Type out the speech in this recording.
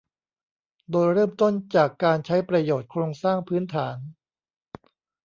โดยเริ่มต้นจากการใช้ประโยชน์โครงสร้างพื้นฐาน